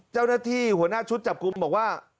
เจ้าหน้าที่หัวหน้าชุดจับกลุ่มบอกว่า